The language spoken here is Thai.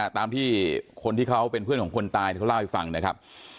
ตามที่คนที่เขาเป็นเพื่อนของคนตายเขาเล่าให้ฟังนะครับ